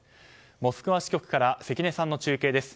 モスクワ支局から関根さんの中継です。